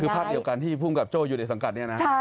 คือภาพเดียวกันที่ภูมิกับโจ้อยู่ในสังกัดเนี่ยนะ